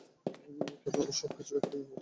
ক্যামেরায় তো সবকিছু রেকর্ডিং হবে।